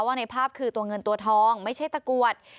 ในภาพคือตัวเงินตัวทองไม่ใช่ตะกรวด